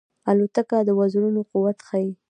الوتکه د وزرونو قوت ښيي.